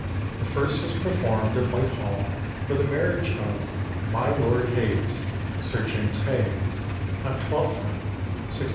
The first was performed at Whitehall for the marriage of "my Lord Hayes" (Sir James Hay), on Twelfth Night, 1606 7.